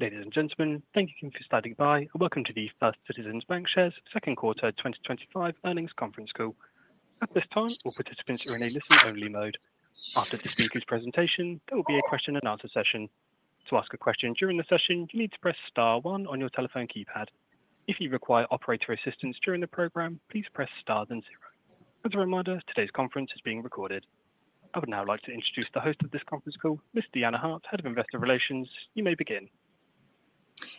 Ladies and gentlemen, thank you for standing by, and welcome to the First Citizens BancShares second quarter 2025 earnings conference call. At this time, all participants are in a listen-only mode. After this speaker's presentation, there will be a question-and-answer session. To ask a question during the session, you need to press star one on your telephone keypad. If you require operator assistance during the program, please press star then zero. As a reminder, today's conference is being recorded. I would now like to introduce the host of this conference call, Ms. Deanna Hart, Head of Investor Relations. You may begin.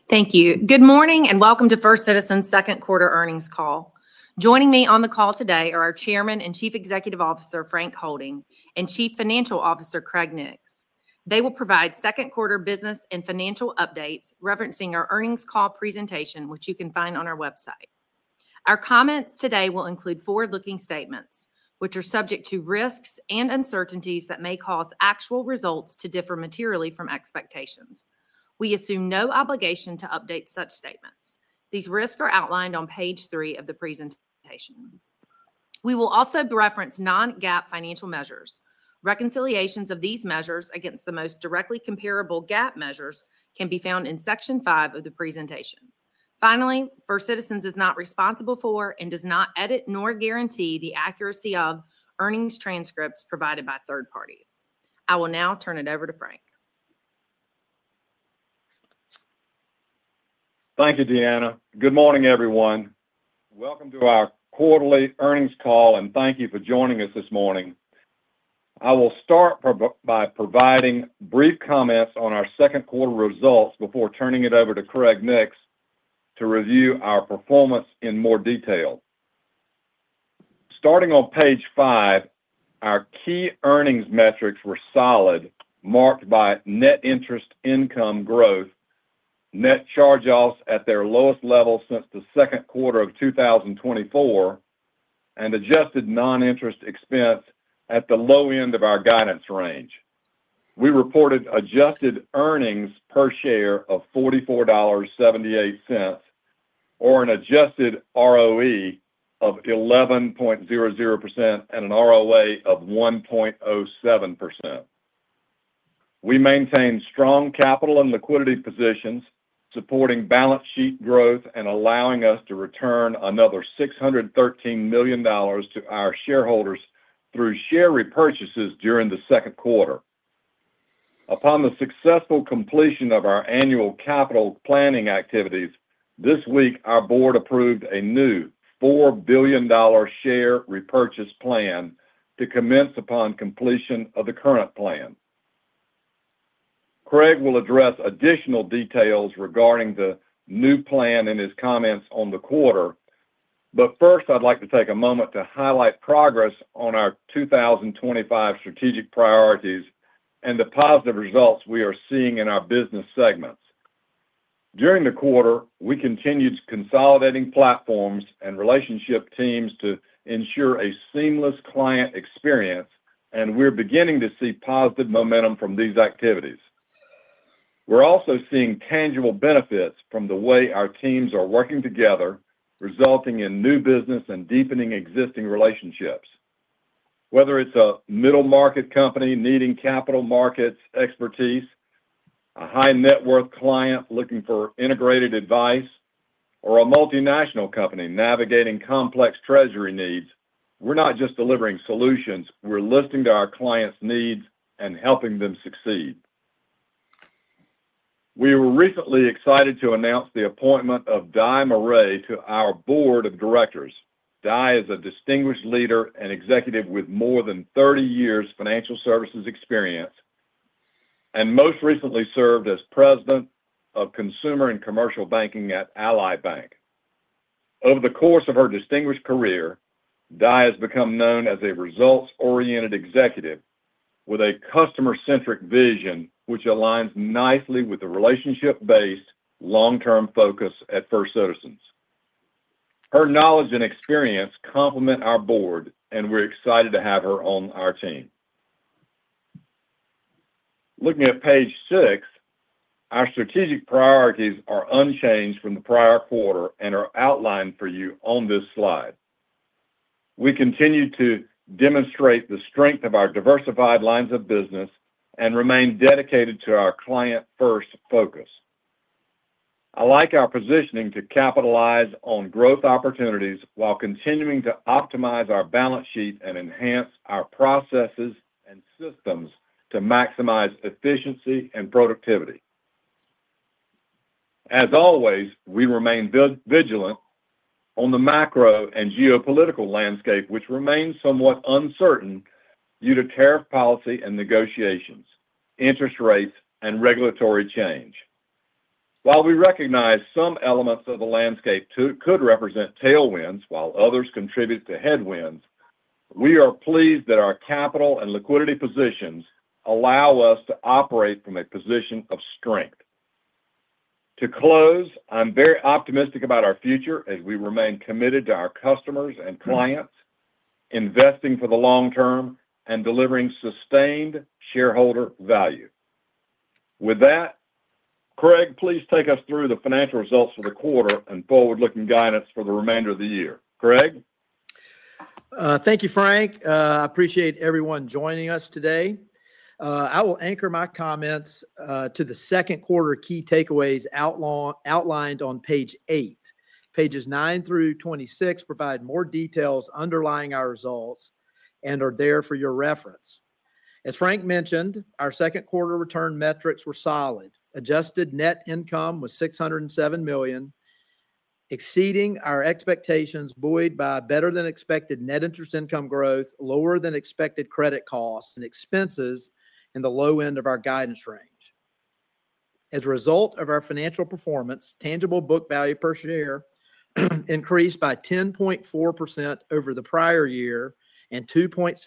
Thank you. Good morning and welcome to First Citizens' second quarter earnings call. Joining me on the call today are our Chairman and Chief Executive Officer, Frank Holding, and Chief Financial Officer, Craig Nix. They will provide second quarter business and financial updates referencing our earnings call presentation, which you can find on our website. Our comments today will include forward-looking statements, which are subject to risks and uncertainties that may cause actual results to differ materially from expectations. We assume no obligation to update such statements. These risks are outlined on page three of the presentation. We will also reference non-GAAP financial measures. Reconciliations of these measures against the most directly comparable GAAP measures can be found in section five of the presentation. Finally, First Citizens is not responsible for and does not edit nor guarantee the accuracy of earnings transcripts provided by third parties. I will now turn it over to Frank. Thank you, Deanna. Good morning, everyone. Welcome to our quarterly earnings call, and thank you for joining us this morning. I will start by providing brief comments on our second quarter results before turning it over to Craig Nix to review our performance in more detail. Starting on page five, our key earnings metrics were solid, marked by net interest income growth. Net charge-offs at their lowest level since the second quarter of 2024. And adjusted non-interest expense at the low end of our guidance range. We reported adjusted earnings per share of $44.78, or an adjusted ROE of 11.00% and an ROA of 1.07%. We maintained strong capital and liquidity positions, supporting balance sheet growth and allowing us to return another $613 million to our shareholders through share repurchases during the second quarter. Upon the successful completion of our annual capital planning activities this week, our board approved a new $4 billion share repurchase plan to commence upon completion of the current plan. Craig will address additional details regarding the new plan in his comments on the quarter, but first, I'd like to take a moment to highlight progress on our 2025 strategic priorities and the positive results we are seeing in our business segments. During the quarter, we continued consolidating platforms and relationship teams to ensure a seamless client experience, and we're beginning to see positive momentum from these activities. We're also seeing tangible benefits from the way our teams are working together, resulting in new business and deepening existing relationships. Whether it's a middle market company needing capital markets expertise, a high-net-worth client looking for integrated advice, or a multinational company navigating complex treasury needs, we're not just delivering solutions; we're listening to our clients' needs and helping them succeed. We were recently excited to announce the appointment of Di Morais to our board of directors. Di is a distinguished leader and executive with more than 30 years of financial services experience and most recently served as President of Consumer and Commercial Banking at Ally Bank. Over the course of her distinguished career, Mireille has become known as a results-oriented executive with a customer-centric vision, which aligns nicely with the relationship-based long-term focus at First Citizens. Her knowledge and experience complement our board, and we're excited to have her on our team. Looking at page six, our strategic priorities are unchanged from the prior quarter and are outlined for you on this slide. We continue to demonstrate the strength of our diversified lines of business and remain dedicated to our client-first focus. I like our positioning to capitalize on growth opportunities while continuing to optimize our balance sheet and enhance our processes and systems to maximize efficiency and productivity. As always, we remain vigilant on the macro and geopolitical landscape, which remains somewhat uncertain due to tariff policy and negotiations, interest rates, and regulatory change. While we recognize some elements of the landscape could represent tailwinds while others contribute to headwinds, we are pleased that our capital and liquidity positions allow us to operate from a position of strength. To close, I'm very optimistic about our future as we remain committed to our customers and clients, investing for the long term, and delivering sustained shareholder value. With that, Craig, please take us through the financial results for the quarter and forward-looking guidance for the remainder of the year. Craig? Thank you, Frank. I appreciate everyone joining us today. I will anchor my comments to the second quarter key takeaways outlined on page eight. Pages nine through twenty-six provide more details underlying our results and are there for your reference. As Frank mentioned, our second quarter return metrics were solid. Adjusted net income was $607 million, exceeding our expectations buoyed by better-than-expected net interest income growth, lower-than-expected credit costs and expenses in the low end of our guidance range. As a result of our financial performance, tangible book value per share increased by 10.4% over the prior year and 2.7%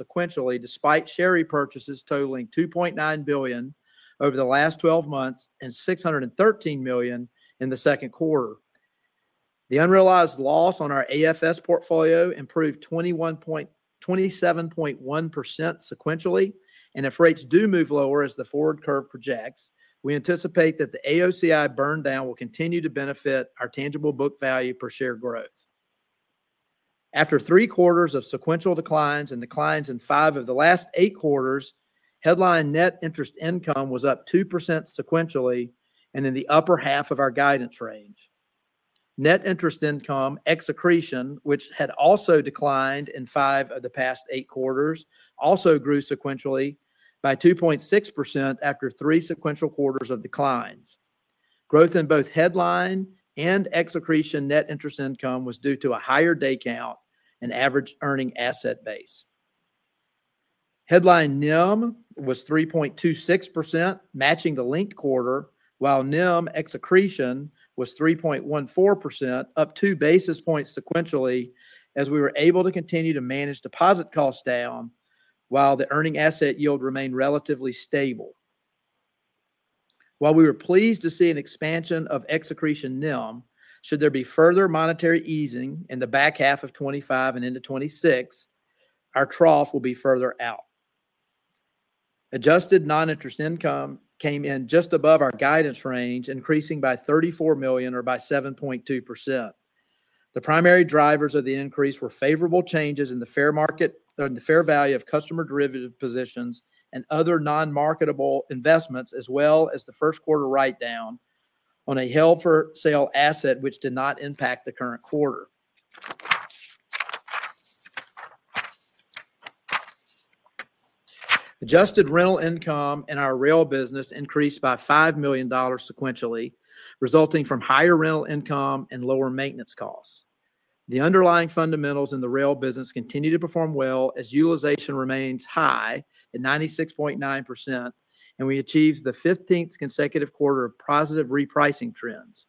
sequentially, despite share repurchases totaling $2.9 billion over the last 12 months and $613 million in the second quarter. The unrealized loss on our AFS portfolio improved 27.1% sequentially, and if rates do move lower as the forward curve projects, we anticipate that the AOCI burn down will continue to benefit our tangible book value per share growth. After three quarters of sequential declines and declines in five of the last eight quarters, headline net interest income was up 2% sequentially and in the upper half of our guidance range. Net interest income ex accretion, which had also declined in five of the past eight quarters, also grew sequentially by 2.6% after three sequential quarters of declines. Growth in both headline and ex accretion net interest income was due to a higher day count and average earning asset base. Headline NIM was 3.26%, matching the link quarter, while NIM ex accretion was 3.14%, up two basis points sequentially as we were able to continue to manage deposit costs down while the earning asset yield remained relatively stable. While we were pleased to see an expansion of ex accretion NIM, should there be further monetary easing in the back half of 2025 and into 2026. Our trough will be further out. Adjusted non-interest income came in just above our guidance range, increasing by $34 million or by 7.2%. The primary drivers of the increase were favorable changes in the fair value of customer derivative positions and other non-marketable investments, as well as the first quarter write-down on a held-for-sale asset, which did not impact the current quarter. Adjusted rental income in our rail business increased by $5 million sequentially, resulting from higher rental income and lower maintenance costs. The underlying fundamentals in the rail business continue to perform well as utilization remains high at 96.9%, and we achieved the 15th consecutive quarter of positive repricing trends.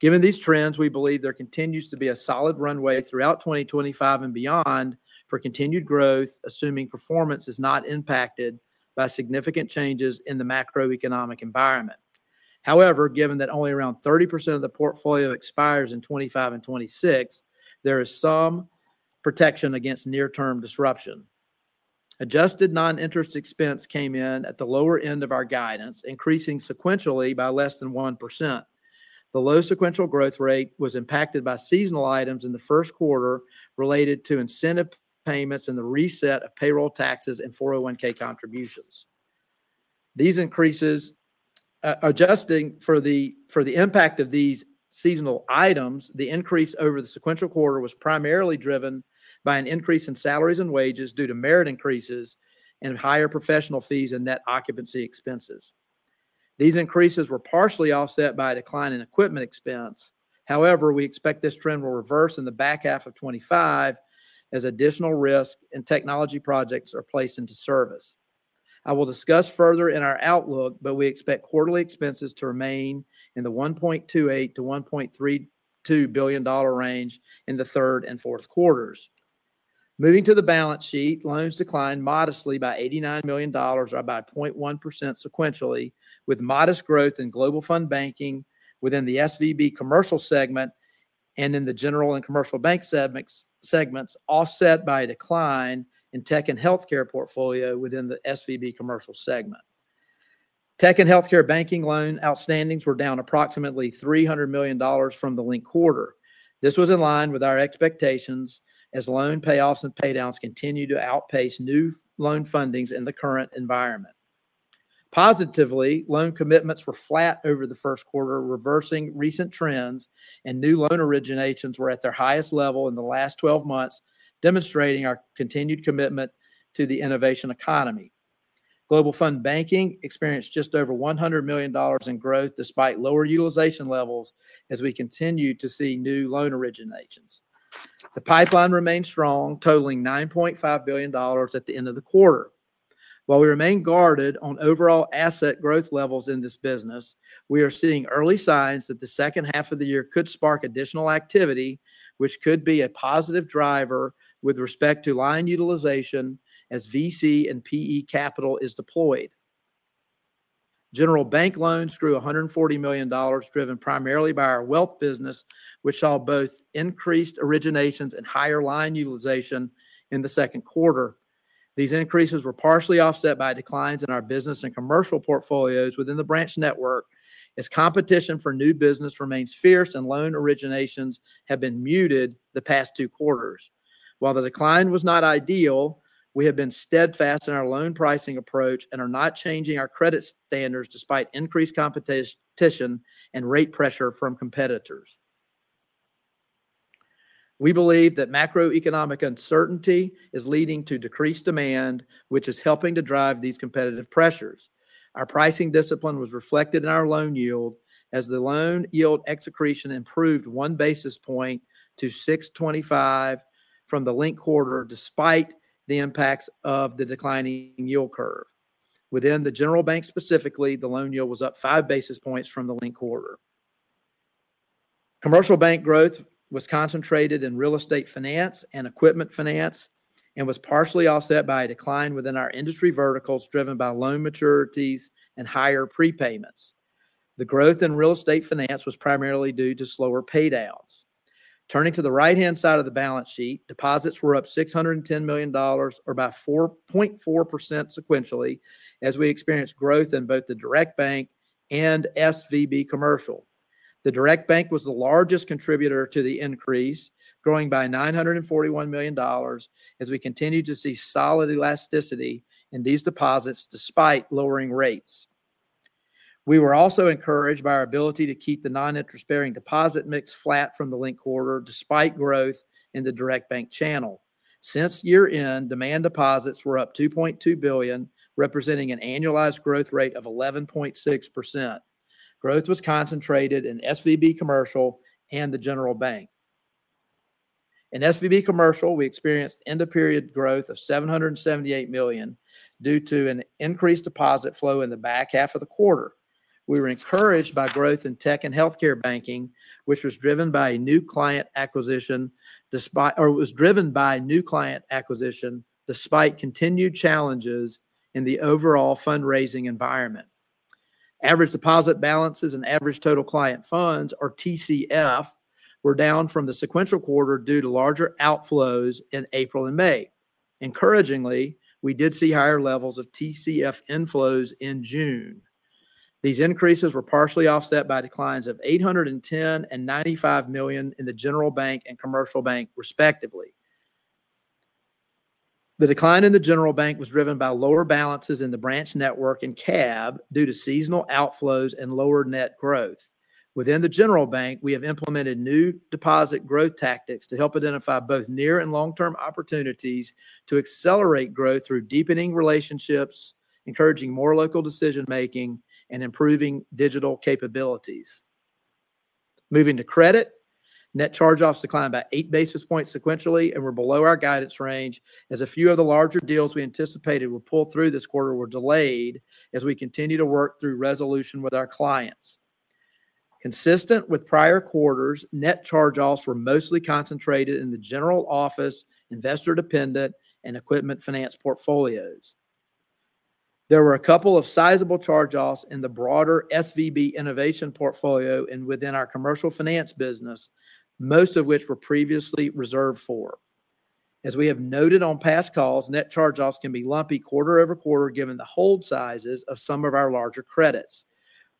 Given these trends, we believe there continues to be a solid runway throughout 2025 and beyond for continued growth, assuming performance is not impacted by significant changes in the macroeconomic environment. However, given that only around 30% of the portfolio expires in 2025 and 2026, there is some protection against near-term disruption. Adjusted non-interest expense came in at the lower end of our guidance, increasing sequentially by less than 1%. The low sequential growth rate was impacted by seasonal items in the first quarter related to incentive payments and the reset of payroll taxes and 401(k) contributions. Adjusting for the impact of these seasonal items, the increase over the sequential quarter was primarily driven by an increase in salaries and wages due to merit increases and higher professional fees and net occupancy expenses. These increases were partially offset by a decline in equipment expense. However, we expect this trend will reverse in the back half of 2025 as additional risk and technology projects are placed into service. I will discuss further in our outlook, but we expect quarterly expenses to remain in the $1.28 billion-$1.32 billion range in the third and fourth quarters. Moving to the balance sheet, loans declined modestly by $89 million or by 0.1% sequentially, with modest growth in Global Fund Banking within the SVB commercial segment and in the general and commercial bank segments offset by a decline in tech and healthcare portfolio within the SVB commercial segment. Tech and Healthcare banking loan outstandings were down approximately $300 million from the link quarter. This was in line with our expectations as loan payoffs and paydowns continue to outpace new loan fundings in the current environment. Positively, loan commitments were flat over the first quarter, reversing recent trends, and new loan originations were at their highest level in the last 12 months, demonstrating our continued commitment to the innovation economy. Global Fund Banking experienced just over $100 million in growth despite lower utilization levels as we continued to see new loan originations. The pipeline remained strong, totaling $9.5 billion at the end of the quarter. While we remain guarded on overall asset growth levels in this business, we are seeing early signs that the second half of the year could spark additional activity, which could be a positive driver with respect to line utilization as VC and PE capital is deployed. General bank loans grew $140 million, driven primarily by our wealth business, which saw both increased originations and higher line utilization in the second quarter. These increases were partially offset by declines in our business and commercial portfolios within the branch network as competition for new business remains fierce and loan originations have been muted the past two quarters. While the decline was not ideal, we have been steadfast in our loan pricing approach and are not changing our credit standards despite increased competition and rate pressure from competitors. We believe that macroeconomic uncertainty is leading to decreased demand, which is helping to drive these competitive pressures. Our pricing discipline was reflected in our loan yield as the loan yield ex accretion improved one basis point to 6.25% from the link quarter, despite the impacts of the declining yield curve. Within the general bank specifically, the loan yield was up five basis points from the link quarter. Commercial bank growth was concentrated in real estate finance and equipment finance and was partially offset by a decline within our industry verticals driven by loan maturities and higher prepayments. The growth in real estate finance was primarily due to slower paydowns. Turning to the right-hand side of the balance sheet, deposits were up $610 million or by 4.4% sequentially as we experienced growth in both the direct bank and SVB commercial. The direct bank was the largest contributor to the increase, growing by $941 million as we continued to see solid elasticity in these deposits despite lowering rates. We were also encouraged by our ability to keep the non-interest-bearing deposit mix flat from the link quarter despite growth in the direct bank channel. Since year-end, demand deposits were up $2.2 billion, representing an annualized growth rate of 11.6%. Growth was concentrated in SVB commercial and the general bank. In SVB commercial, we experienced end-of-period growth of $778 million due to an increased deposit flow in the back half of the quarter. We were encouraged by growth in Tech and Healthcare Banking, which was driven by a new client acquisition. Despite continued challenges in the overall fundraising environment. Average deposit balances and average total client funds, or TCF, were down from the sequential quarter due to larger outflows in April and May. Encouragingly, we did see higher levels of TCF inflows in June. These increases were partially offset by declines of $810 million and $95 million in the general bank and commercial bank, respectively. The decline in the general bank was driven by lower balances in the branch network and cab due to seasonal outflows and lower net growth. Within the general bank, we have implemented new deposit growth tactics to help identify both near and long-term opportunities to accelerate growth through deepening relationships, encouraging more local decision-making, and improving digital capabilities. Moving to credit, net charge-offs declined by eight basis points sequentially and were below our guidance range as a few of the larger deals we anticipated would pull through this quarter were delayed as we continue to work through resolution with our clients. Consistent with prior quarters, net charge-offs were mostly concentrated in the general office, investor-dependent, and equipment finance portfolios. There were a couple of sizable charge-offs in the broader SVB innovation portfolio and within our commercial finance business. Most of which were previously reserved for. As we have noted on past calls, net charge-offs can be lumpy quarter over quarter given the hold sizes of some of our larger credits.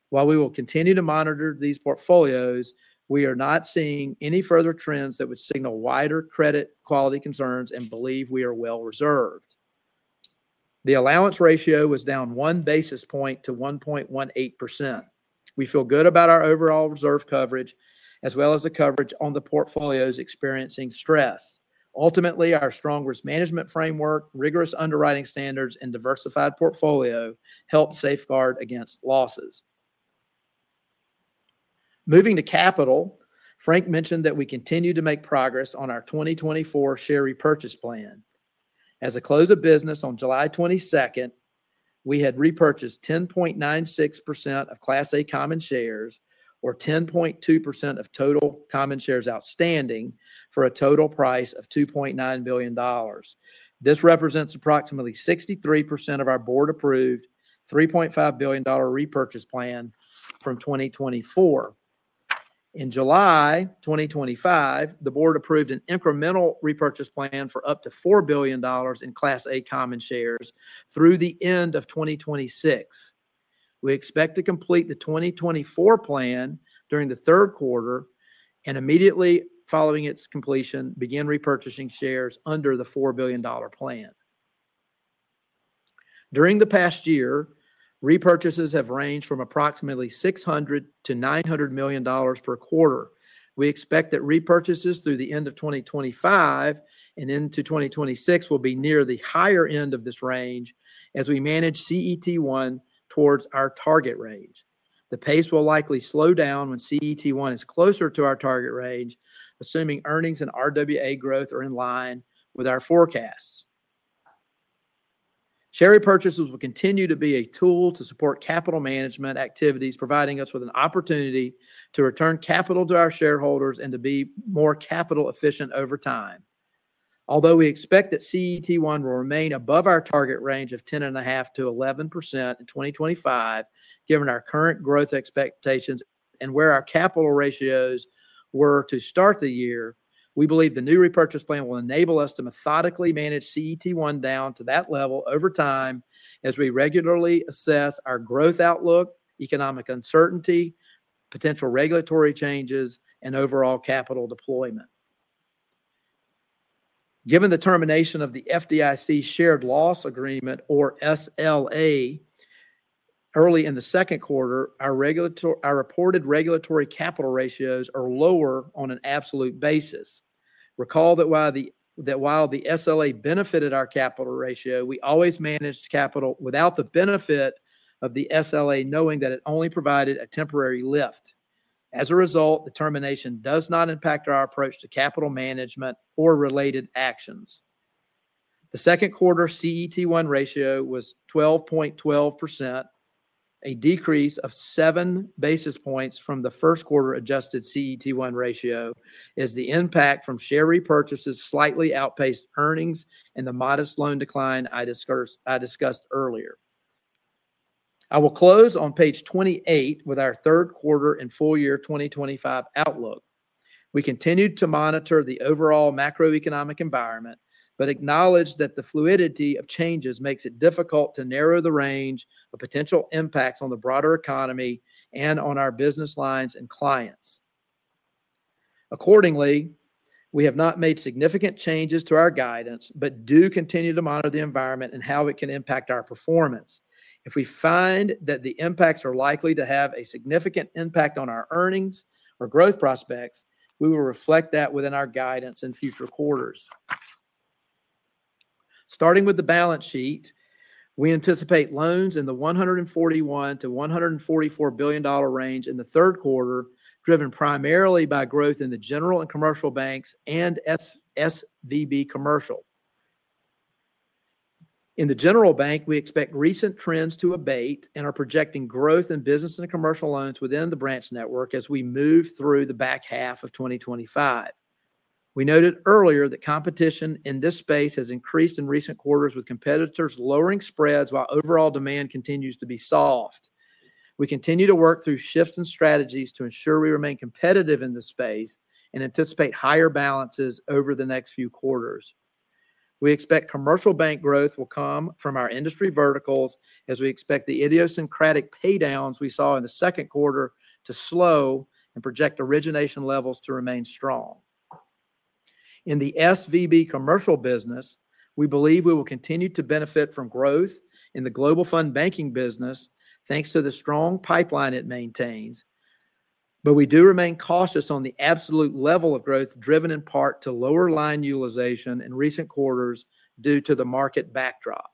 While we will continue to monitor these portfolios, we are not seeing any further trends that would signal wider credit quality concerns and believe we are well reserved. The allowance ratio was down one basis point to 1.18%. We feel good about our overall reserve coverage as well as the coverage on the portfolios experiencing stress. Ultimately, our strong risk management framework, rigorous underwriting standards, and diversified portfolio helped safeguard against losses. Moving to capital, Frank mentioned that we continue to make progress on our 2024 share repurchase plan. As of close of business on July 22nd, we had repurchased 10.96% of Class A common shares or 10.2% of total common shares outstanding for a total price of $2.9 billion. This represents approximately 63% of our board-approved $3.5 billion repurchase plan for 2024. In July 2025, the board approved an incremental repurchase plan for up to $4 billion in Class A common shares through the end of 2026. We expect to complete the 2024 plan during the third quarter and, immediately following its completion, begin repurchasing shares under the $4 billion plan. During the past year, repurchases have ranged from approximately $600 million-$900 million per quarter. We expect that repurchases through the end of 2025 and into 2026 will be near the higher end of this range as we manage CET1 towards our target range. The pace will likely slow down when CET1 is closer to our target range, assuming earnings and RWA growth are in line with our forecasts. Share repurchases will continue to be a tool to support capital management activities, providing us with an opportunity to return capital to our shareholders and to be more capital efficient over time. Although we expect that CET1 will remain above our target range of 10.5%-11% in 2025, given our current growth expectations and where our capital ratios were to start the year, we believe the new repurchase plan will enable us to methodically manage CET1 down to that level over time as we regularly assess our growth outlook, economic uncertainty, potential regulatory changes, and overall capital deployment. Given the termination of the FDIC shared loss agreement, or SLA, early in the second quarter, our reported regulatory capital ratios are lower on an absolute basis. Recall that while the SLA benefited our capital ratio, we always managed capital without the benefit of the SLA knowing that it only provided a temporary lift. As a result, the termination does not impact our approach to capital management or related actions. The second quarter CET1 ratio was 12.12%, a decrease of seven basis points from the first quarter. Adjusted CET1 ratio is the impact from share repurchases slightly outpaced earnings and the modest loan decline I discussed earlier. I will close on page 28 with our third quarter and full year 2025 outlook. We continue to monitor the overall macroeconomic environment, but acknowledge that the fluidity of changes makes it difficult to narrow the range of potential impacts on the broader economy and on our business lines and clients. Accordingly, we have not made significant changes to our guidance, but do continue to monitor the environment and how it can impact our performance. If we find that the impacts are likely to have a significant impact on our earnings or growth prospects, we will reflect that within our guidance in future quarters. Starting with the balance sheet, we anticipate loans in the $141 billion-$144 billion range in the third quarter, driven primarily by growth in the general and commercial banks and SVB commercial. In the general bank, we expect recent trends to abate and are projecting growth in business and commercial loans within the branch network as we move through the back half of 2025. We noted earlier that competition in this space has increased in recent quarters, with competitors lowering spreads while overall demand continues to be soft. We continue to work through shifts in strategies to ensure we remain competitive in this space and anticipate higher balances over the next few quarters. We expect commercial bank growth will come from our industry verticals as we expect the idiosyncratic paydowns we saw in the second quarter to slow and project origination levels to remain strong. In the SVB commercial business, we believe we will continue to benefit from growth in the Global Fund Banking business thanks to the strong pipeline it maintains. We do remain cautious on the absolute level of growth driven in part to lower line utilization in recent quarters due to the market backdrop.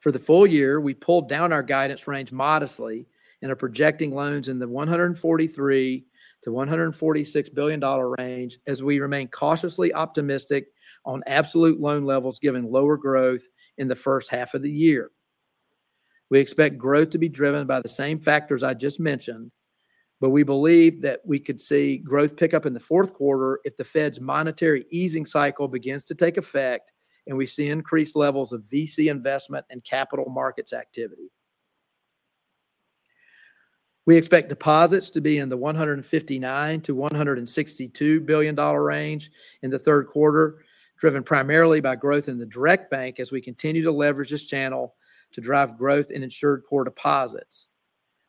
For the full year, we pulled down our guidance range modestly and are projecting loans in the $143 billion-$146 billion range as we remain cautiously optimistic on absolute loan levels given lower growth in the first half of the year. We expect growth to be driven by the same factors I just mentioned, but we believe that we could see growth pick up in the fourth quarter if the Fed's monetary easing cycle begins to take effect and we see increased levels of VC investment and capital markets activity. We expect deposits to be in the $159 billion-$162 billion range in the third quarter, driven primarily by growth in the direct bank as we continue to leverage this channel to drive growth in insured core deposits.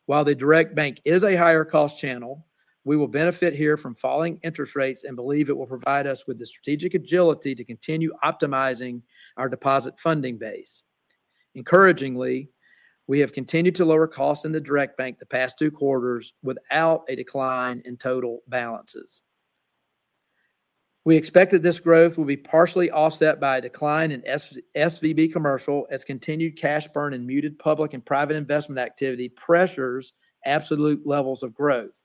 While the direct bank is a higher cost channel, we will benefit here from falling interest rates and believe it will provide us with the strategic agility to continue optimizing our deposit funding base. Encouragingly, we have continued to lower costs in the direct bank the past two quarters without a decline in total balances. We expect that this growth will be partially offset by a decline in SVB commercial as continued cash burn and muted public and private investment activity pressures absolute levels of growth.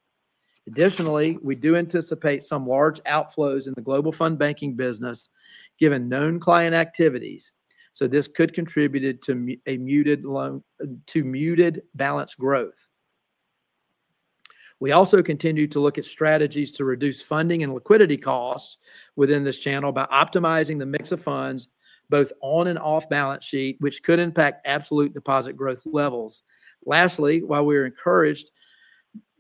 Additionally, we do anticipate some large outflows in the Global Fund Banking business given known client activities, so this could contribute to a muted balance growth. We also continue to look at strategies to reduce funding and liquidity costs within this channel by optimizing the mix of funds both on and off balance sheet, which could impact absolute deposit growth levels. Lastly, while we are encouraged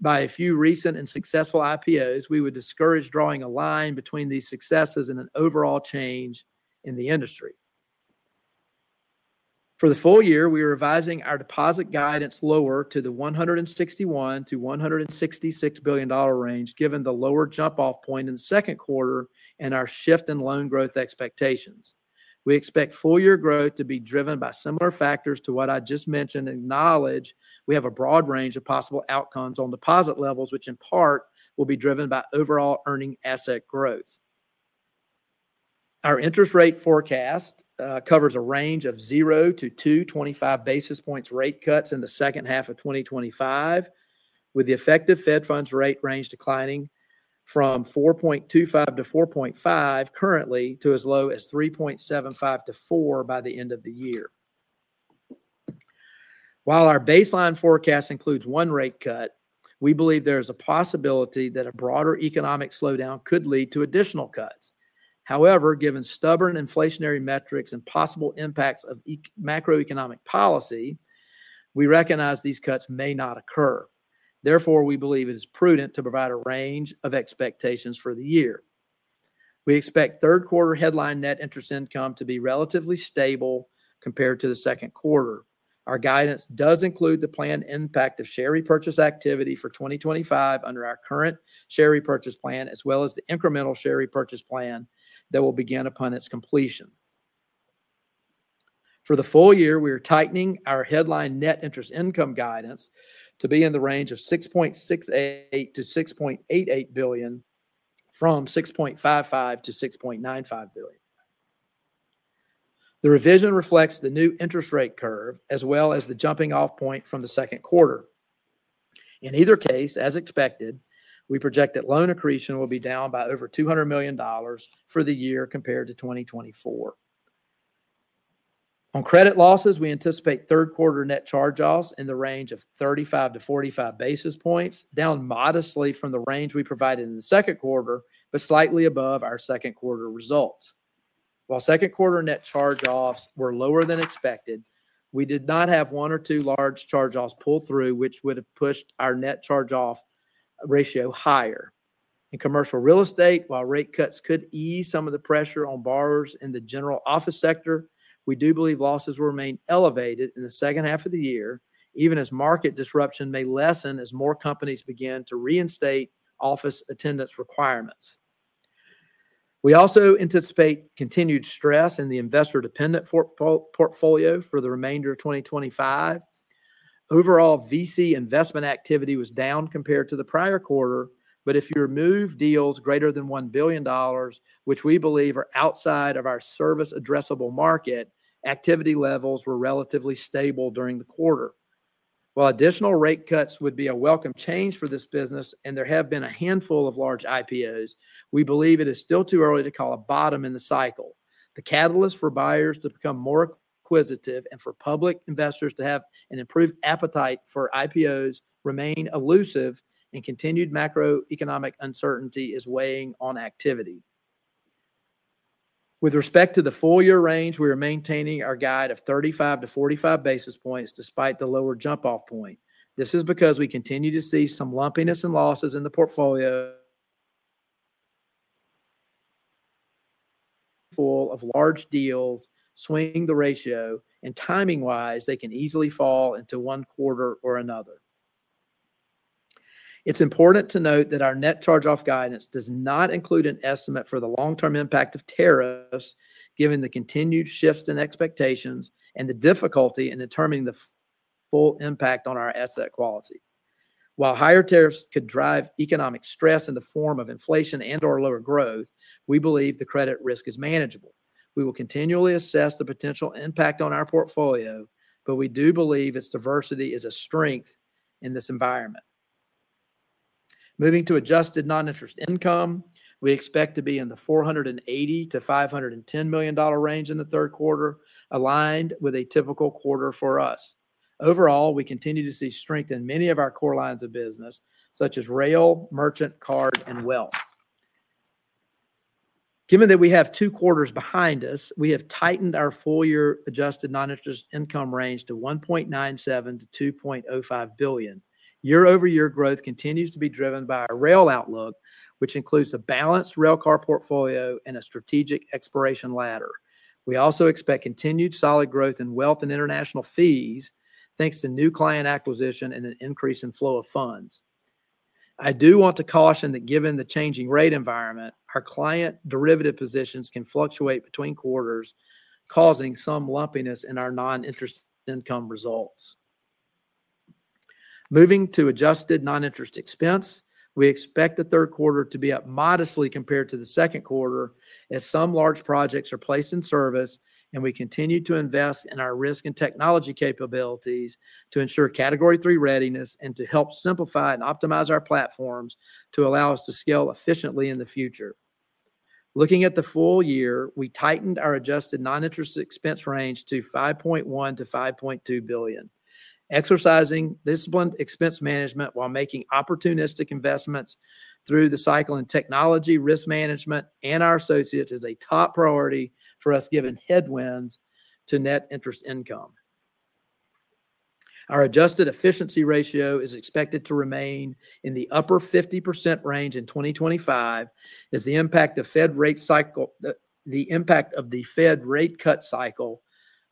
by a few recent and successful IPOs, we would discourage drawing a line between these successes and an overall change in the industry. For the full year, we are revising our deposit guidance lower to the $161 billion-$166 billion range given the lower jump-off point in the second quarter and our shift in loan growth expectations. We expect full-year growth to be driven by similar factors to what I just mentioned and acknowledge we have a broad range of possible outcomes on deposit levels, which in part will be driven by overall earning asset growth. Our interest rate forecast covers a range of 0-2.25 basis points rate cuts in the second half of 2025, with the effective Fed funds rate range declining from 4.25-4.5 currently to as low as 3.75-4 by the end of the year. While our baseline forecast includes one rate cut, we believe there is a possibility that a broader economic slowdown could lead to additional cuts. However, given stubborn inflationary metrics and possible impacts of macroeconomic policy, we recognize these cuts may not occur. Therefore, we believe it is prudent to provide a range of expectations for the year. We expect third quarter headline net interest income to be relatively stable compared to the second quarter. Our guidance does include the planned impact of share repurchase activity for 2025 under our current share repurchase plan, as well as the incremental share repurchase plan that will begin upon its completion. For the full year, we are tightening our headline net interest income guidance to be in the range of $6.68 billion-$6.88 billion from $6.55 billion-$6.95 billion. The revision reflects the new interest rate curve as well as the jumping-off point from the second quarter. In either case, as expected, we project that loan accretion will be down by over $200 million for the year compared to 2024. On credit losses, we anticipate third quarter net charge-offs in the range of 35-45 basis points, down modestly from the range we provided in the second quarter, but slightly above our second quarter results. While second quarter net charge-offs were lower than expected, we did not have one or two large charge-offs pull through, which would have pushed our net charge-off ratio higher. In commercial real estate, while rate cuts could ease some of the pressure on borrowers in the general office sector, we do believe losses will remain elevated in the second half of the year, even as market disruption may lessen as more companies begin to reinstate office attendance requirements. We also anticipate continued stress in the investor-dependent portfolio for the remainder of 2025. Overall VC investment activity was down compared to the prior quarter, but if you remove deals greater than $1 billion, which we believe are outside of our service addressable market, activity levels were relatively stable during the quarter. While additional rate cuts would be a welcome change for this business and there have been a handful of large IPOs, we believe it is still too early to call a bottom in the cycle. The catalyst for buyers to become more acquisitive and for public investors to have an improved appetite for IPOs remains elusive, and continued macroeconomic uncertainty is weighing on activity. With respect to the full year range, we are maintaining our guide of 35-45 basis points despite the lower jump-off point. This is because we continue to see some lumpiness and losses in the portfolio. Full of large deals swinging the ratio, and timing-wise, they can easily fall into one quarter or another. It's important to note that our net charge-off guidance does not include an estimate for the long-term impact of tariffs, given the continued shifts in expectations and the difficulty in determining the full impact on our asset quality. While higher tariffs could drive economic stress in the form of inflation and/or lower growth, we believe the credit risk is manageable. We will continually assess the potential impact on our portfolio, but we do believe its diversity is a strength in this environment. Moving to adjusted non-interest income, we expect to be in the $480-$510 million range in the third quarter, aligned with a typical quarter for us. Overall, we continue to see strength in many of our core lines of business, such as rail, merchant, card, and wealth. Given that we have two quarters behind us, we have tightened our full-year adjusted non-interest income range to $1.97-$2.05 billion. Year-over-year growth continues to be driven by our rail outlook, which includes a balanced railcar portfolio and a strategic exploration ladder. We also expect continued solid growth in wealth and international fees, thanks to new client acquisition and an increase in flow of funds. I do want to caution that given the changing rate environment, our client derivative positions can fluctuate between quarters, causing some lumpiness in our non-interest income results. Moving to adjusted non-interest expense, we expect the third quarter to be up modestly compared to the second quarter as some large projects are placed in service, and we continue to invest in our risk and technology capabilities to ensure Category III readiness and to help simplify and optimize our platforms to allow us to scale efficiently in the future. Looking at the full year, we tightened our adjusted non-interest expense range to $5.1-$5.2 billion. Exercising disciplined expense management while making opportunistic investments through the cycle in technology, risk management, and our associates is a top priority for us given headwinds to net interest income. Our adjusted efficiency ratio is expected to remain in the upper 50% range in 2025 as the impact of Fed rate cycle, the impact of the Fed rate cut cycle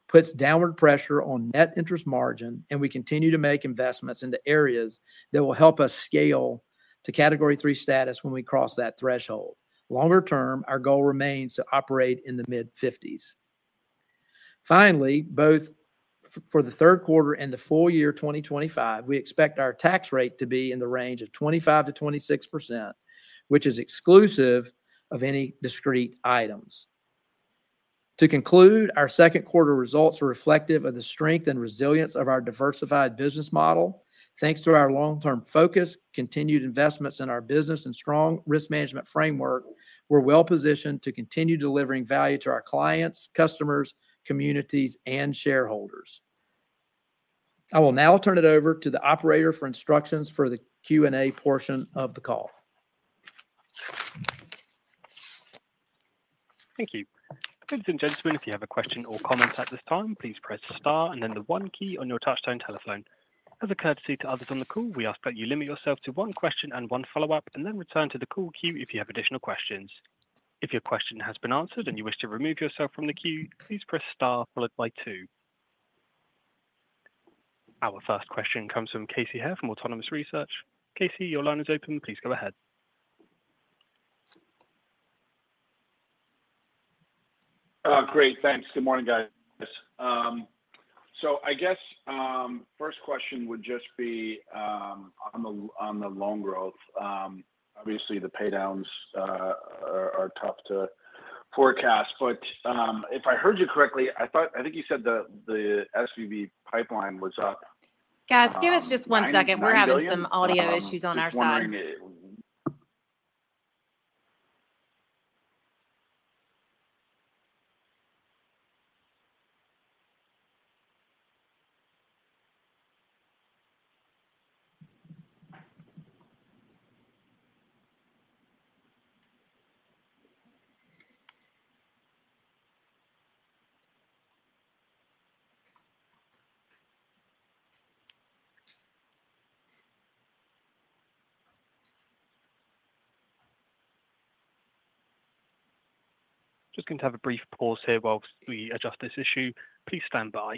puts downward pressure on net interest margin, and we continue to make investments into areas that will help us scale to Category III status when we cross that threshold. Longer term, our goal remains to operate in the mid-50s. Finally, both. For the third quarter and the full year 2025, we expect our tax rate to be in the range of 25%-26%, which is exclusive of any discrete items. To conclude, our second quarter results are reflective of the strength and resilience of our diversified business model. Thanks to our long-term focus, continued investments in our business, and strong risk management framework, we're well-positioned to continue delivering value to our clients, customers, communities, and shareholders. I will now turn it over to the operator for instructions for the Q&A portion of the call. Thank you. Ladies and gentlemen, if you have a question or comment at this time, please press star and then the one key on your touchstone telephone. As a courtesy to others on the call, we ask that you limit yourself to one question and one follow-up, and then return to the call queue if you have additional questions. If your question has been answered and you wish to remove yourself from the queue, please press star followed by two. Our first question comes from Casey Haire from Autonomous Research. Casey, your line is open. Please go ahead. Great. Thanks. Good morning, guys. I guess first question would just be on the loan growth. Obviously, the paydowns are tough to forecast. If I heard you correctly, I think you said the SVB pipeline was up. Yeah, give us just one second. We're having some audio issues on our side. Just going to have a brief pause here whilst we adjust this issue. Please stand by.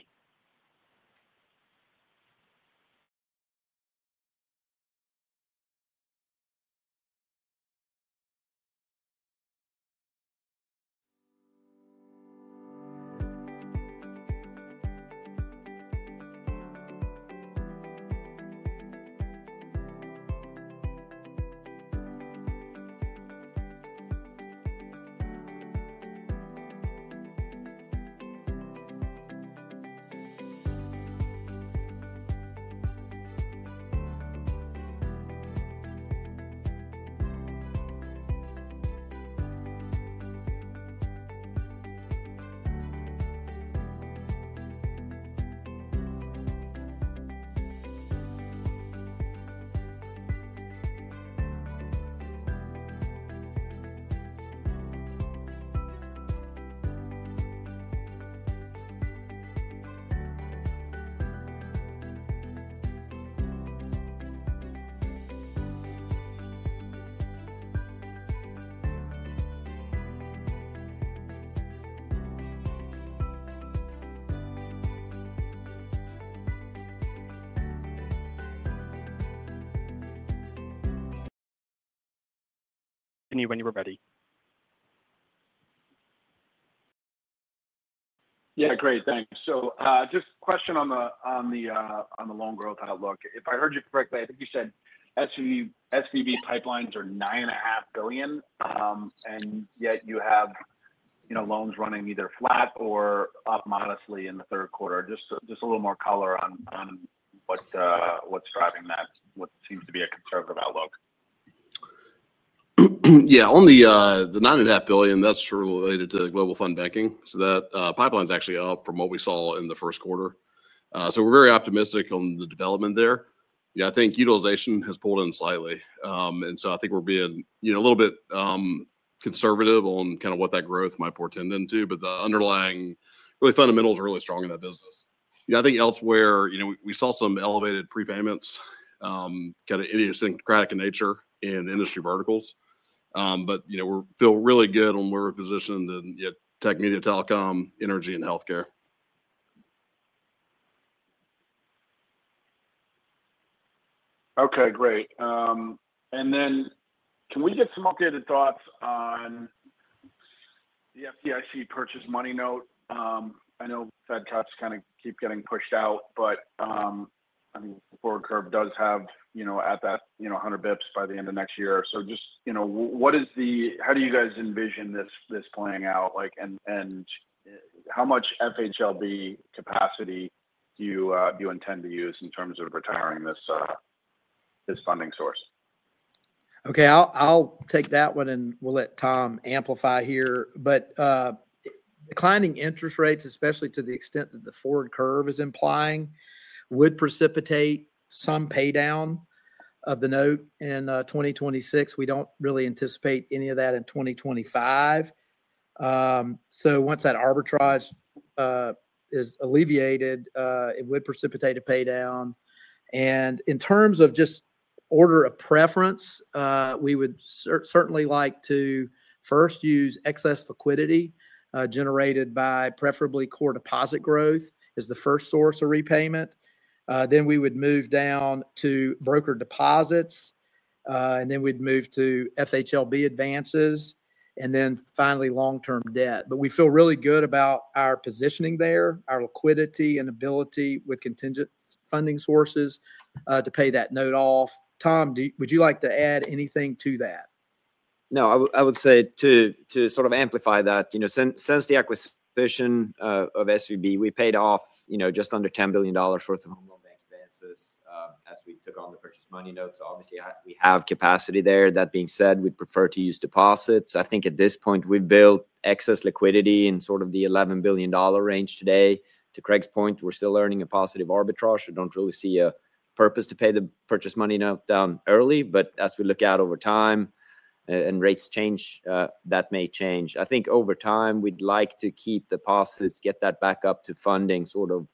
Continue when you are ready. Yeah, great. Thanks. Just a question on the loan growth outlook. If I heard you correctly, I think you said SVB pipelines are $9.5 billion. And yet you have loans running either flat or up modestly in the third quarter. Just a little more color on what's driving that, what seems to be a conservative outlook. Yeah, on the $9.5 billion, that's related to Global Fund Banking. That pipeline's actually up from what we saw in the first quarter. We're very optimistic on the development there. I think utilization has pulled in slightly. I think we're being a little bit conservative on kind of what that growth might portend into, but the underlying fundamentals are really strong in that business. I think elsewhere, we saw some elevated prepayments, kind of idiosyncratic in nature in industry verticals. We feel really good when we're positioned in tech media, telecom, energy, and healthcare. Okay, great. Can we get some updated thoughts on the FDIC Purchase Money Note? I know Fed cuts kind of keep getting pushed out, but I mean, the forward curve does have at that 100 basis points by the end of next year. Just what is the, how do you guys envision this playing out? How much FHLB capacity do you intend to use in terms of retiring this funding source? Okay, I'll take that one and we'll let Tom amplify here. Declining interest rates, especially to the extent that the forward curve is implying, would precipitate some paydown of the note in 2026. We do not really anticipate any of that in 2025. Once that arbitrage is alleviated, it would precipitate a paydown. In terms of just order of preference, we would certainly like to first use excess liquidity generated by preferably core deposit growth as the first source of repayment. Then we would move down to broker deposits, then we'd move to FHLB advances, and then finally long-term debt. We feel really good about our positioning there, our liquidity and ability with contingent funding sources to pay that note off. Tom, would you like to add anything to that? No, I would say to sort of amplify that. Since the acquisition of SVB, we paid off just under $10 billion worth of home loan bank advances as we took on the Purchase Money Note. Obviously, we have capacity there. That being said, we'd prefer to use deposits. I think at this point, we've built excess liquidity in sort of the $11 billion range today. To Craig's point, we're still earning a positive arbitrage, so I do not really see a purpose to pay the Purchase Money Note down early. As we look out over time and rates change, that may change. I think over time, we'd like to keep the deposits, get that back up to funding sort of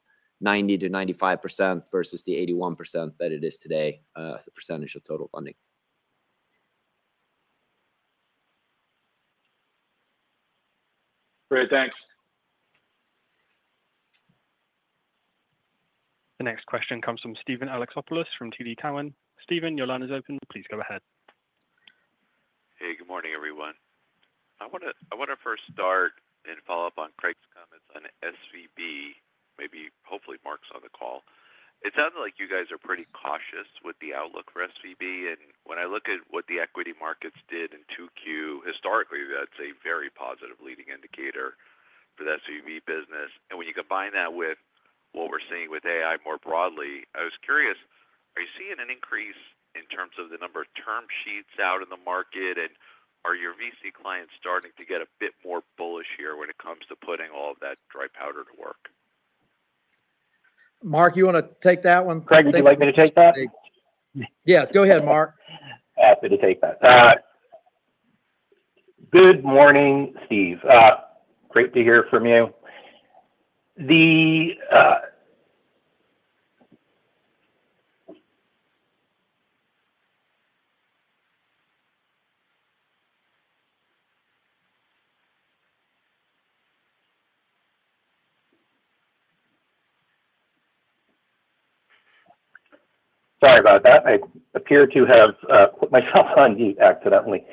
90%-95% versus the 81% that it is today as a percentage of total funding. Great, thanks. The next question comes from Steven Alexopoulos from TD Cowen. Steven, your line is open. Please go ahead. Hey, good morning, everyone. I want to first start and follow up on Craig's comments on SVB, maybe hopefully Mark's on the call. It sounds like you guys are pretty cautious with the outlook for SVB. When I look at what the equity markets did in 2Q, historically, that's a very positive leading indicator for the SVB business. When you combine that with what we're seeing with AI more broadly, I was curious, are you seeing an increase in terms of the number of term sheets out in the market? Are your VC clients starting to get a bit more bullish here when it comes to putting all of that dry powder to work? Mark, you want to take that one quickly? Craig, would you like me to take that? Yeah, go ahead, Mark. Happy to take that. Good morning, Steve. Great to hear from you. Sorry about that. I appear to have put myself on mute accidentally.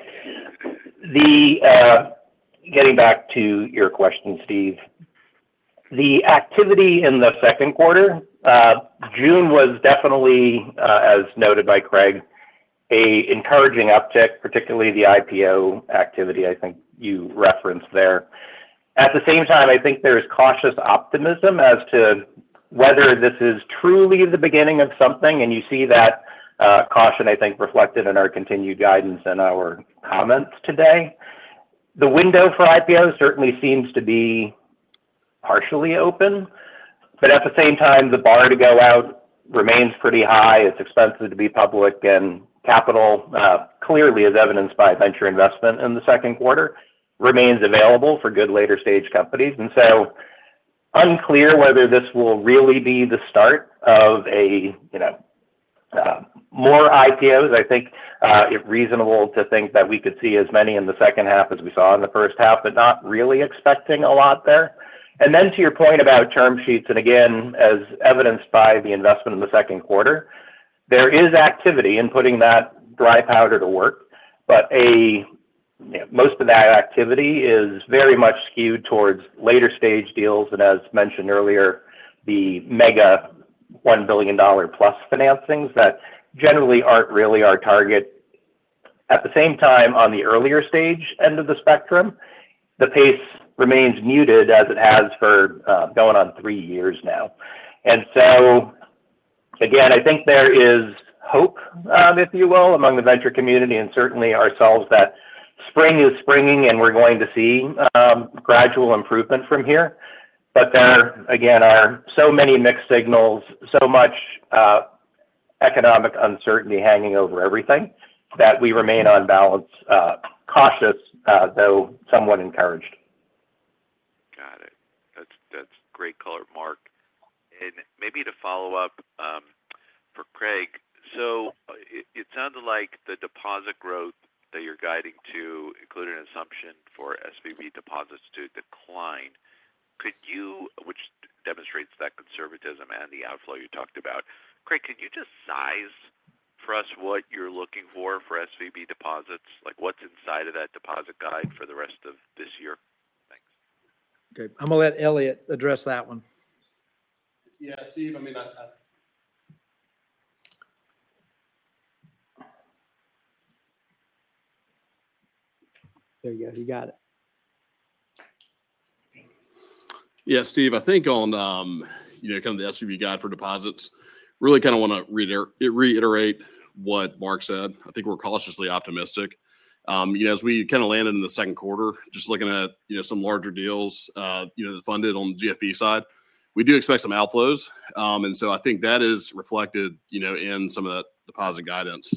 Getting back to your question, Steve. The activity in the second quarter. June was definitely, as noted by Craig, an encouraging uptick, particularly the IPO activity, I think you referenced there. At the same time, I think there is cautious optimism as to whether this is truly the beginning of something. You see that caution, I think, reflected in our continued guidance and our comments today. The window for IPO certainly seems to be partially open, but at the same time, the bar to go out remains pretty high. It's expensive to be public, and capital, clearly as evidenced by venture investment in the second quarter, remains available for good later-stage companies. Unclear whether this will really be the start of more IPOs. I think it's reasonable to think that we could see as many in the second half as we saw in the first half, but not really expecting a lot there. To your point about term sheets, and again, as evidenced by the investment in the second quarter, there is activity in putting that dry powder to work. Most of that activity is very much skewed towards later-stage deals and, as mentioned earlier, the mega $1 billion-plus financings that generally aren't really our target. At the same time, on the earlier stage end of the spectrum, the pace remains muted as it has for going on three years now. Again, I think there is hope, if you will, among the venture community and certainly ourselves, that spring is springing and we're going to see gradual improvement from here. There, again, are so many mixed signals, so much economic uncertainty hanging over everything that we remain on balance cautious, though somewhat encouraged. Got it. That's great color, Mark. Maybe to follow up. For Craig, it sounded like the deposit growth that you're guiding to, including assumption for SVB deposits to decline, could you, which demonstrates that conservatism and the outflow you talked about, Craig, could you just size for us what you're looking for for SVB deposits? What's inside of that deposit guide for the rest of this year? Thanks. Okay. I'm going to let Elliot address that one. Yeah, Steve, I mean. There you go. You got it. Yeah, Steve, I think on kind of the SVB guide for deposits, really kind of want to reiterate what Mark said. I think we're cautiously optimistic. As we kind of landed in the second quarter, just looking at some larger deals funded on the GFB side, we do expect some outflows. I think that is reflected in some of that deposit guidance.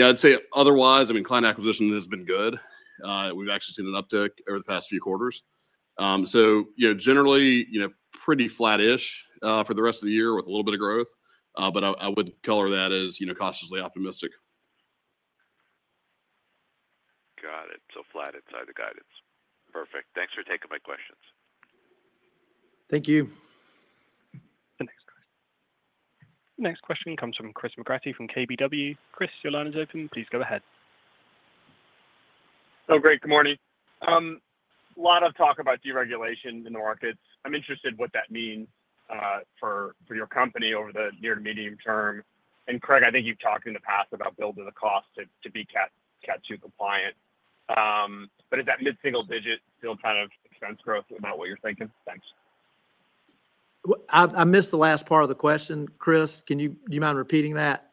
I'd say otherwise, client acquisition has been good. We've actually seen an uptick over the past few quarters. So generally, pretty flattish for the rest of the year with a little bit of growth, but I would color that as cautiously optimistic. Got it. So flat inside the guidance. Perfect. Thanks for taking my questions. Thank you. The next question comes from Chris McGratty from KBW. Chris, your line is open. Please go ahead. Oh, great. Good morning. A lot of talk about deregulation in the markets. I'm interested in what that means for your company over the near to medium term. And Craig, I think you've talked in the past about building the cost to be Cat II compliant. But is that mid-single digit still kind of expense growth about what you're thinking? Thanks. I missed the last part of the question, Chris. Do you mind repeating that?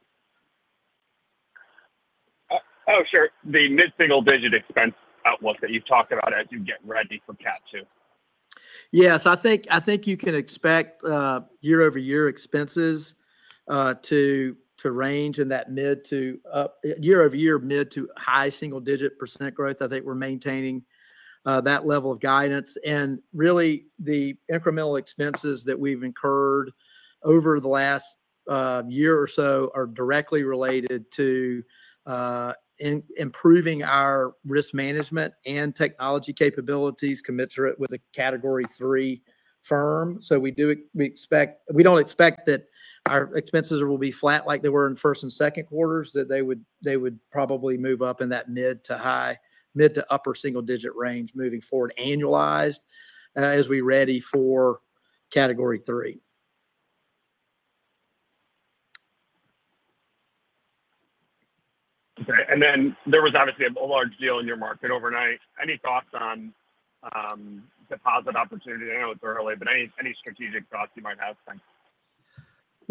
Oh, sure. The mid-single digit expense outlook that you've talked about as you get ready for Cat II. Yeah, so I think you can expect year-over-year expenses to range in that mid to year-over-year mid to high single-digit percent growth. I think we're maintaining that level of guidance. And really, the incremental expenses that we've incurred over the last year or so are directly related to improving our risk management and technology capabilities commensurate with a Category III firm. We don't expect that our expenses will be flat like they were in first and second quarters, that they would probably move up in that mid to upper single-digit range moving forward annualized as we're ready for Category III. Okay. There was obviously a large deal in your market overnight. Any thoughts on deposit opportunity? I know it's early, but any strategic thoughts you might have?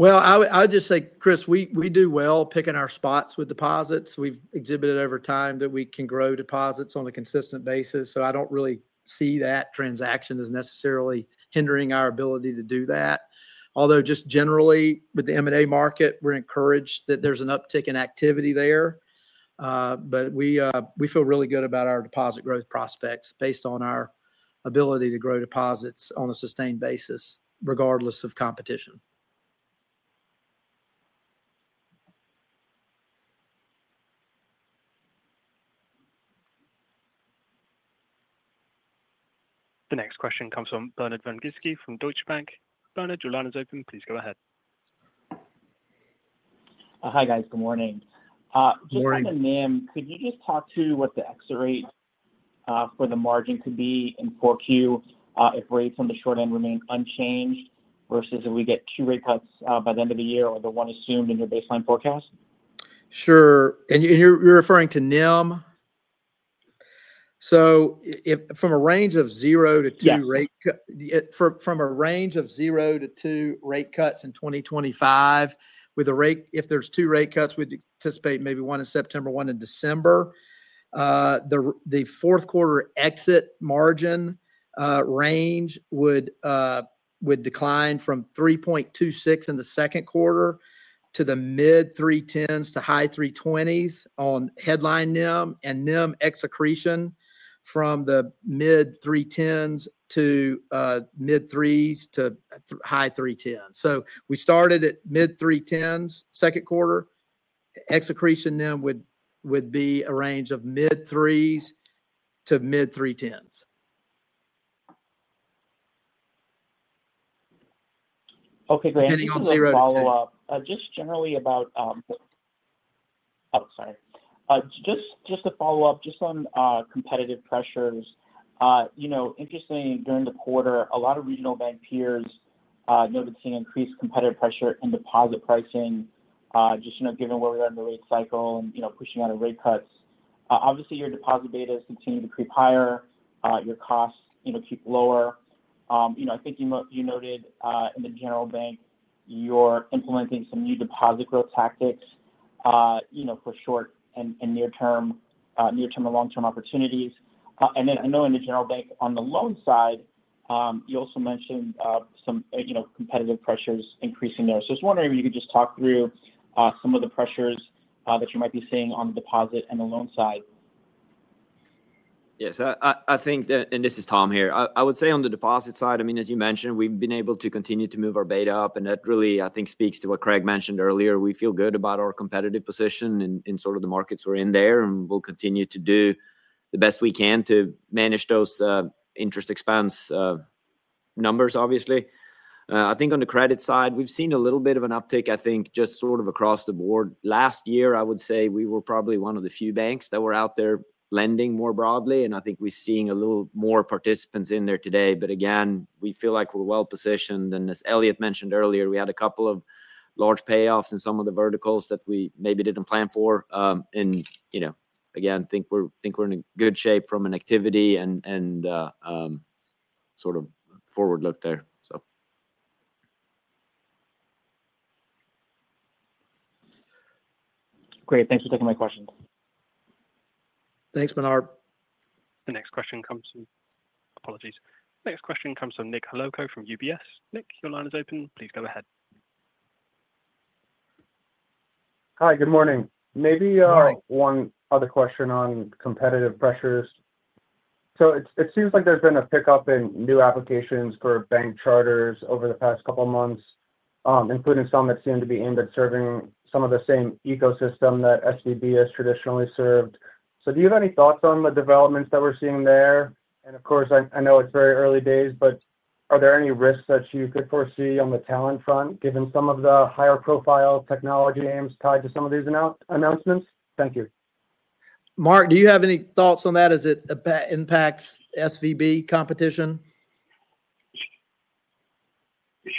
I would just say, Chris, we do well picking our spots with deposits. We've exhibited over time that we can grow deposits on a consistent basis. I don't really see that transaction as necessarily hindering our ability to do that. Although just generally, with the M&A market, we're encouraged that there's an uptick in activity there. We feel really good about our deposit growth prospects based on our ability to grow deposits on a sustained basis, regardless of competition. The next question comes from Bernard von-Gizycki from Deutsche Bank. Bernard, your line is open. Please go ahead. Hi, guys. Good morning. Good morning. Just kind of, NIM, could you just talk to what the exit rate for the margin could be in 4Q if rates on the short end remain unchanged versus if we get two rate cuts by the end of the year or the one assumed in your baseline forecast? Sure. And you're referring to NIM? So from a range of zero-two rate cuts. Yeah. From a range of zero-two rate cuts in 2025, if there's two rate cuts, we'd anticipate maybe one in September, one in December. The fourth quarter exit margin range would. Decline from 3.26 in the second quarter to the mid 310s to high 320s on headline NIM and NIM ex accretion from the mid 310s to mid 3s to high 310s. We started at mid 310s second quarter. Ex accretion NIM would be a range of mid 3s to mid 310s. Okay, Craig. Just a follow-up. Just generally about. Oh, sorry. Just a follow-up, just on competitive pressures. Interesting, during the quarter, a lot of regional bank peers noticing increased competitive pressure in deposit pricing, just given where we are in the rate cycle and pushing out of rate cuts. Obviously, your deposit beta has continued to creep higher. Your costs keep lower. I think you noted in the general bank, you're implementing some new deposit growth tactics for short and near-term and long-term opportunities. I know in the general bank, on the loan side, you also mentioned some competitive pressures increasing there. I was wondering if you could just talk through some of the pressures that you might be seeing on the deposit and the loan side. Yes. This is Tom here. I would say on the deposit side, as you mentioned, we've been able to continue to move our beta up. That really, I think, speaks to what Craig mentioned earlier. We feel good about our competitive position in sort of the markets we're in there, and we'll continue to do the best we can to manage those interest expense numbers, obviously. I think on the credit side, we've seen a little bit of an uptick, I think, just sort of across the board. Last year, I would say we were probably one of the few banks that were out there lending more broadly. I think we're seeing a little more participants in there today. Again, we feel like we're well-positioned. As Elliot mentioned earlier, we had a couple of large payoffs in some of the verticals that we maybe didn't plan for. Again, I think we're in good shape from an activity and sort of forward look there. Great. Thanks for taking my questions. Thanks, Bernard. The next question comes from—apologies. The next question comes from Nick Holowko from UBS. Nick, your line is open. Please go ahead. Hi, good morning. Maybe one other question on competitive pressures. It seems like there's been a pickup in new applications for bank charters over the past couple of months, including some that seem to be aimed at serving some of the same ecosystem that SVB has traditionally served. Do you have any thoughts on the developments that we're seeing there? Of course, I know it's very early days, but are there any risks that you could foresee on the talent front, given some of the higher-profile technology aims tied to some of these announcements? Thank you. Mark, do you have any thoughts on that? Does it impact SVB competition?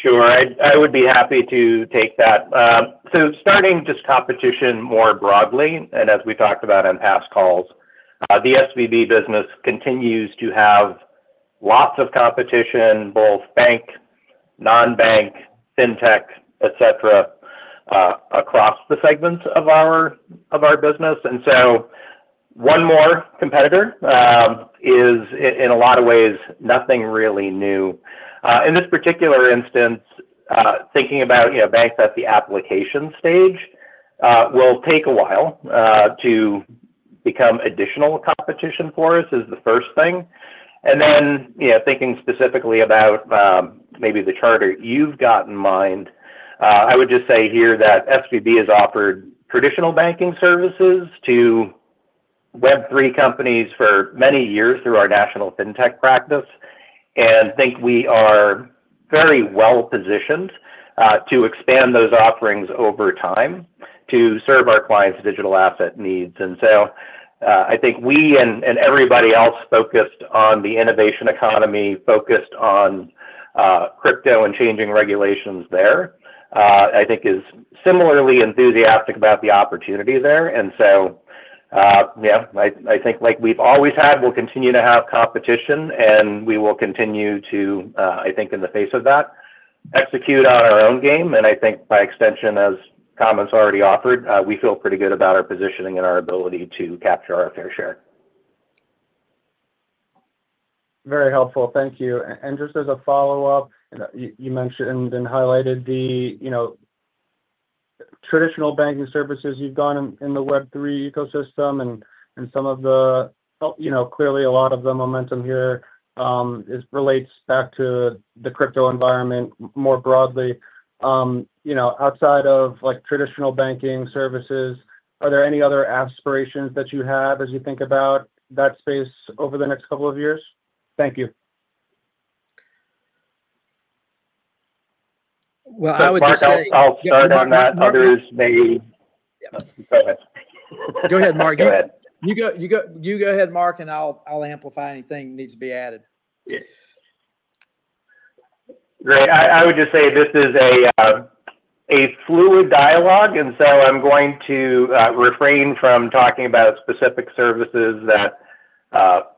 Sure. I would be happy to take that. Starting just competition more broadly, and as we talked about on past calls, the SVB business continues to have lots of competition, both bank, non-bank, fintech, etc. Across the segments of our business. One more competitor is in a lot of ways nothing really new. In this particular instance, thinking about banks at the application stage will take a while to become additional competition for us is the first thing. Then thinking specifically about maybe the charter you have in mind, I would just say here that SVB has offered traditional banking services to Web3 companies for many years through our national fintech practice and think we are very well-positioned to expand those offerings over time to serve our clients' digital asset needs. I think we and everybody else focused on the innovation economy, focused on crypto and changing regulations there, is similarly enthusiastic about the opportunity there. I think like we have always had, we will continue to have competition, and we will continue to, I think, in the face of that, execute on our own game. I think by extension, as Thomas already offered, we feel pretty good about our positioning and our ability to capture our fair share. Very helpful. Thank you. Just as a follow-up, you mentioned and highlighted the traditional banking services you have in the Web3 ecosystem and some of the—clearly, a lot of the momentum here relates back to the crypto environment more broadly. Outside of traditional banking services, are there any other aspirations that you have as you think about that space over the next couple of years? Thank you. I would just say— I'll start on that. Others may— Go ahead. Go ahead, Mark. Go ahead. You go ahead, Mark, and I'll amplify anything that needs to be added. Great. I would just say this is a fluid dialogue, and so I'm going to refrain from talking about specific services that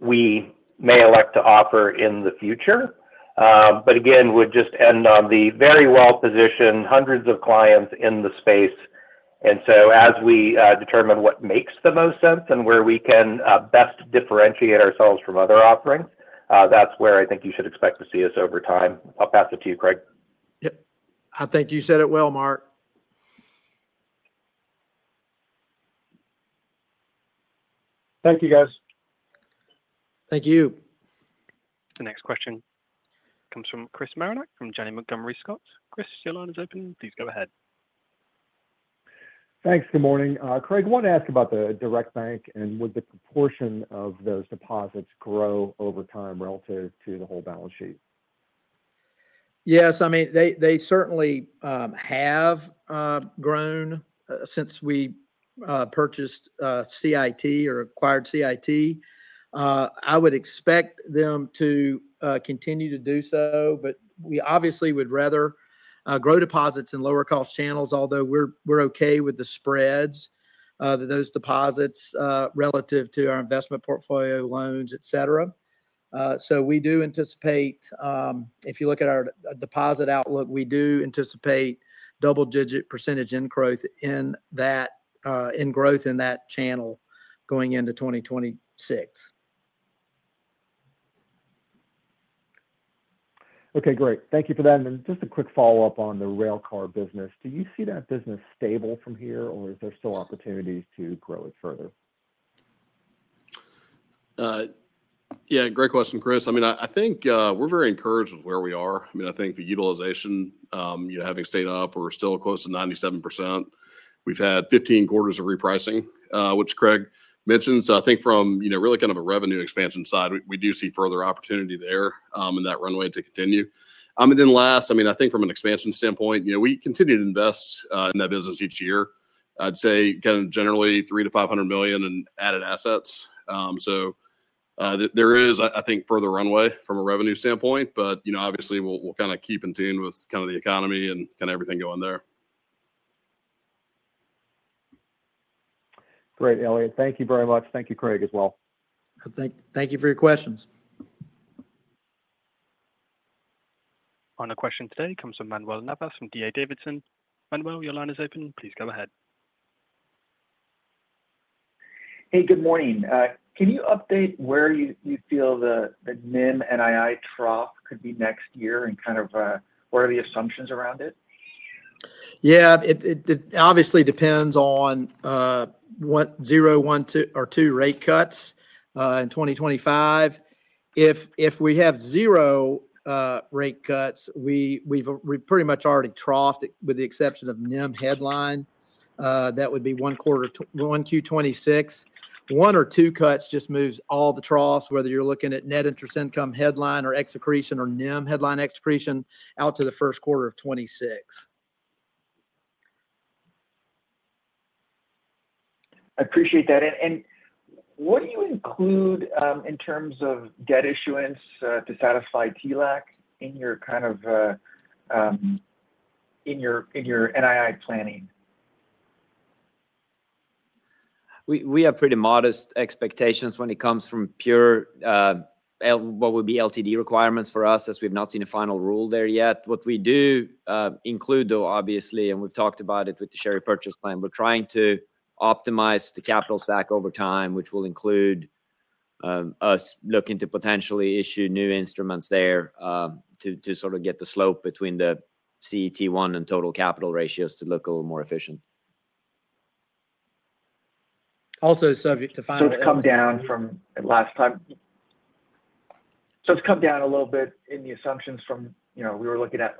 we may elect to offer in the future. Again, we'll just end on the very well-positioned hundreds of clients in the space. As we determine what makes the most sense and where we can best differentiate ourselves from other offerings, that's where I think you should expect to see us over time. I'll pass it to you, Craig. Yep. I think you said it well, Mark. Thank you, guys. Thank you. The next question comes from Chris Marinac from Janney Montgomery Scott. Chris, your line is open. Please go ahead. Thanks. Good morning. Craig, I want to ask about the direct bank, and would the proportion of those deposits grow over time relative to the whole balance sheet? Yes. I mean, they certainly have grown since we purchased CIT or acquired CIT. I would expect them to. Continue to do so, but we obviously would rather grow deposits in lower-cost channels, although we're okay with the spreads of those deposits relative to our investment portfolio, loans, etc. We do anticipate, if you look at our deposit outlook, we do anticipate double-digit percent growth in that channel going into 2026. Okay. Great. Thank you for that. And then just a quick follow-up on the railcar business. Do you see that business stable from here, or is there still opportunities to grow it further? Yeah. Great question, Chris. I mean, I think we're very encouraged with where we are. I mean, I think the utilization, having stayed up, we're still close to 97%. We've had 15 quarters of repricing, which Craig mentioned. I think from really kind of a revenue expansion side, we do see further opportunity there in that runway to continue. Last, I think from an expansion standpoint, we continue to invest in that business each year. I'd say kind of generally $300 million-$500 million in added assets. There is, I think, further runway from a revenue standpoint, but obviously, we'll kind of keep in tune with the economy and kind of everything going there. Great, Elliot. Thank you very much. Thank you, Craig, as well. Thank you for your questions. Final question today comes from Manuel Navas from DA Davidson. Manuel, your line is open. Please go ahead. Hey, good morning. Can you update where you feel the NIM NII trough could be next year and kind of what are the assumptions around it? Yeah. It obviously depends on zero, one, or two rate cuts in 2025. If we have zero rate cuts, we've pretty much already troughed it with the exception of NIM headline. That would be one Q2026. One or two cuts just moves all the troughs, whether you're looking at net interest income headline or accretion or NIM headline accretion out to the first quarter of 2026. I appreciate that. And what do you include in terms of debt issuance to satisfy TLAC in your kind of NII planning? We have pretty modest expectations when it comes from pure what would be LTD requirements for us, as we've not seen a final rule there yet. What we do include, though, obviously, and we've talked about it with the share repurchase plan, we're trying to optimize the capital stack over time, which will include us looking to potentially issue new instruments there to sort of get the slope between the CET1 and total capital ratios to look a little more efficient. Also subject to final. So it's come down from last time? So it's come down a little bit in the assumptions from we were looking at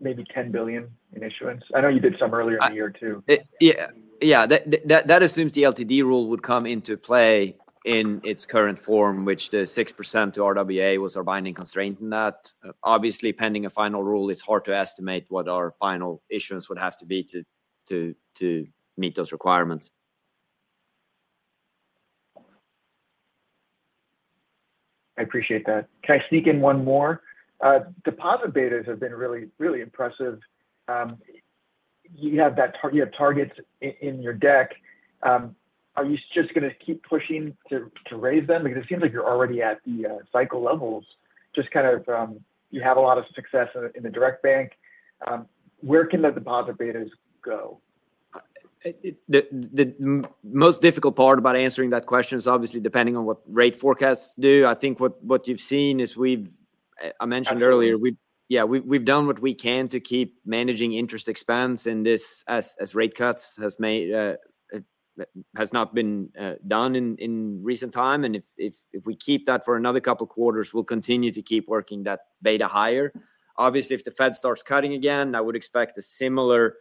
maybe $10 billion in issuance. I know you did some earlier in the year too. Yeah. Yeah. That assumes the LTD rule would come into play in its current form, which the 6% to RWA was our binding constraint in that. Obviously, pending a final rule, it's hard to estimate what our final issuance would have to be to meet those requirements. I appreciate that. Can I sneak in one more? Deposit betas have been really, really impressive. You have targets in your deck. Are you just going to keep pushing to raise them? Because it seems like you're already at the cycle levels. Just kind of you have a lot of success in the direct bank. Where can the deposit betas go? The most difficult part about answering that question is obviously depending on what rate forecasts do. I think what you've seen is we've, I mentioned earlier, yeah, we've done what we can to keep managing interest expense in this as rate cuts has not been done in recent time. If we keep that for another couple of quarters, we'll continue to keep working that beta higher. Obviously, if the Fed starts cutting again, I would expect a similar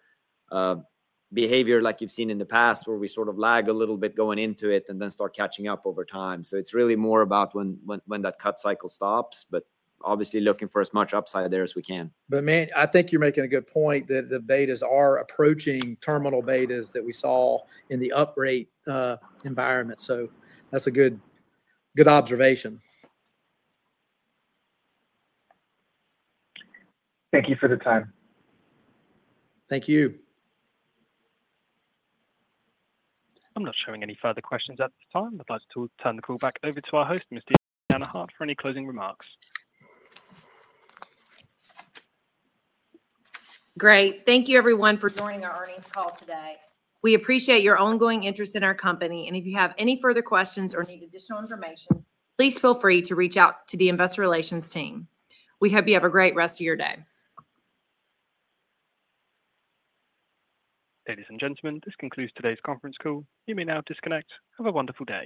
behavior like you've seen in the past where we sort of lag a little bit going into it and then start catching up over time. It's really more about when that cut cycle stops, but obviously looking for as much upside there as we can. Man, I think you're making a good point that the betas are approaching terminal betas that we saw in the uprate environment. That's a good observation. Thank you for the time. Thank you. I'm not showing any further questions at this time. I'd like to turn the call back over to our host, Ms. Deanna Hart, for any closing remarks. Great. Thank you, everyone, for joining our earnings call today. We appreciate your ongoing interest in our company. If you have any further questions or need additional information, please feel free to reach out to the investor relations team. We hope you have a great rest of your day. Ladies and gentlemen, this concludes today's conference call. You may now disconnect. Have a wonderful day.